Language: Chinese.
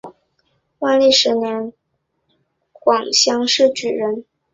万历十年壬午科湖广乡试举人。